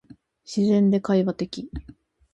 自然で会話的